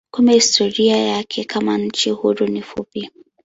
Kumbe historia yake kama nchi huru ni fupi.